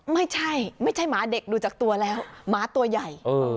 ไม่ใช่ไม่ใช่หมาเด็กดูจากตัวแล้วหมาตัวใหญ่